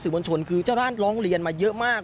สื่อบนชนคือเจ้าหน้าร้องเรียนมาเยอะมาก